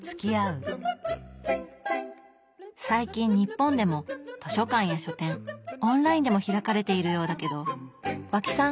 最近日本でも図書館や書店オンラインでも開かれているようだけど和氣さん